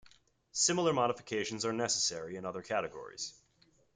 Similar modifications are necessary in other categories.